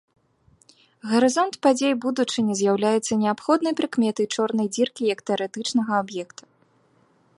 Гарызонт падзей будучыні з'яўляецца неабходнай прыкметай чорнай дзіркі як тэарэтычнага аб'екта.